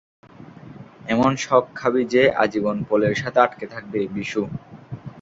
এমন শক খাবি যে, আজীবন পোলের সাথে আটকে থাকবি, বিশু।